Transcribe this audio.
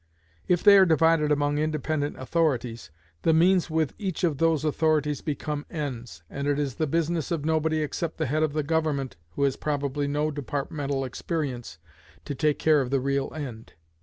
If they are divided among independent authorities, the means with each of those authorities become ends, and it is the business of nobody except the head of the government, who has probably no departmental experience, to take care of the real end.